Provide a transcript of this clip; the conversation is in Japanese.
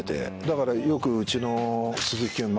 だからよくうちの鈴木聖美